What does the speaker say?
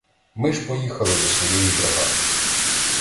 Ми ж поїхали до своєї бригади.